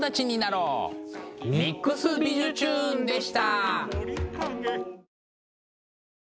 「ＭＩＸびじゅチューン！」でした。